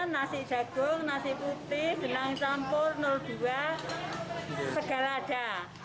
nasi jagung nasi putih jelang campur dua segala ada